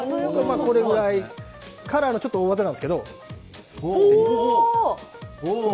これくらいからの大技なんですけど。